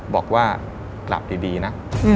บอกว่าหลับดีนะ